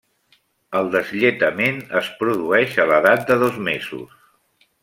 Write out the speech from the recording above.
El deslletament es produeix a l'edat de dos mesos.